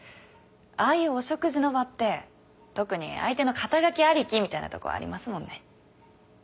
ああいうお食事の場って特に相手の肩書ありきみたいなとこありますもんね。